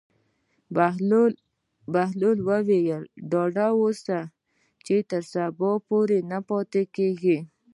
بهلول وویل: ډاډه اوسه چې تر سبا پورې نه پاتې کېږي.